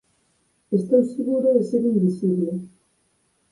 Estou seguro de ser invisible.